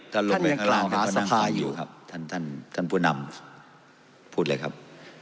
ท่านยังกล่าวหาสภาอยู่ท่านผู้นำพูดเลยครับ